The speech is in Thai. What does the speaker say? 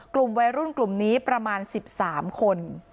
กลุ่มวัยรุ่นกลุ่มนี้ประมาณ๑๓คน